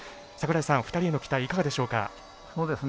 櫻井さん、２人への期待いかがでしょうか。